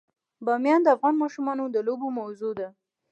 بامیان د افغان ماشومانو د لوبو موضوع ده.